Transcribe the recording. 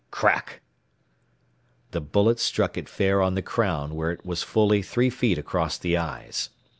"Crack!" The bullet struck it fair on the crown where it was fully three feet across the eyes.